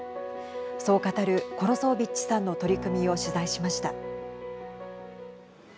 そう語るコロソービッチさんの取り組みを取材しました。